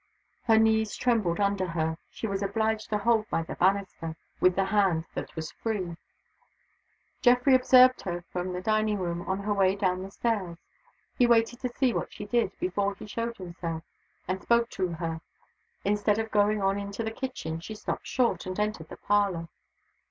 Her knees trembled under her. She was obliged to hold by the banister, with the hand that was free. Geoffrey observed her from the dining room, on her way down the stairs. He waited to see what she did, before he showed himself, and spoke to her. Instead of going on into the kitchen, she stopped short, and entered the parlor.